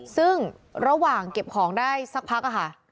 ซึ่งระหว่างเก็บของได้สักพักค่ะ